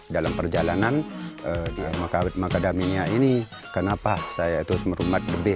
dalam perjalanan di makadamia ini kenapa saya terus merumat lebih